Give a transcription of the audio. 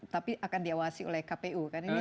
tapi akan diawasi oleh kpu